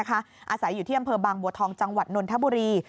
อาศัยอยู่ที่อำเภอบางบัวทองจังหวัดนนทบุรี